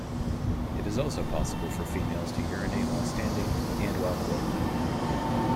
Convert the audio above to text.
It is also possible for females to urinate while standing, and while clothed.